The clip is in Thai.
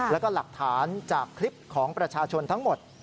แล้วก็หลักฐานจากคลิปของประชาชนทั้งหมด